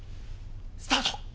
スタート！